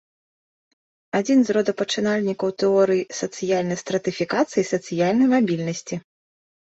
Адзін з родапачынальнікаў тэорый сацыяльнай стратыфікацыі і сацыяльнай мабільнасці.